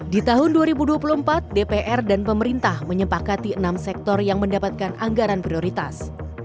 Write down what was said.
di tahun dua ribu dua puluh empat dpr dan pemerintah menyempakati enam sektor yang mendapatkan anggaran prioritas